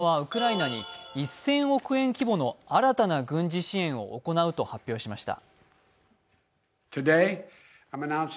アメリカはウクライナに１０００億円規模の新たな軍事支援を行うと発表しました。